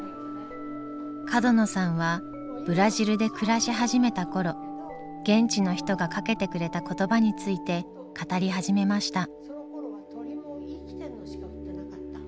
角野さんはブラジルで暮らし始めた頃現地の人がかけてくれた言葉について語り始めました。